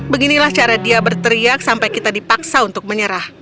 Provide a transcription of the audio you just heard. beginilah cara dia berteriak sampai kita dipaksa untuk menyerah